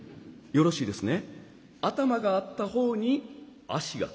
よろしいですね？